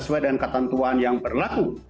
sesuai dengan ketentuan yang berlaku